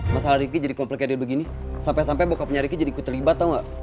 masalah ripki jadi komplikasi begini sampai sampai bokapnya ripki jadi kutelibat tau nggak